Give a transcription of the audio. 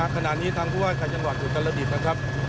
ขนาดนี้ทางทุกว่าการจังหวัดอยู่ตลอดิษฐ์นะครับ